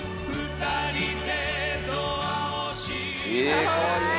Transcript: かわいい。